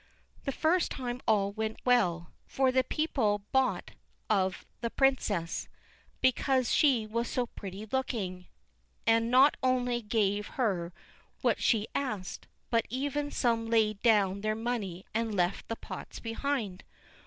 The first time all went well, for the people bought of the princess, because she was so pretty looking, and not only gave her what she asked, but some even laid down their money and left the pots behind.